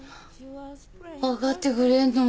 分かってくれんの？